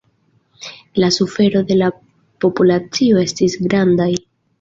La sufero de la populacio estis grandaj.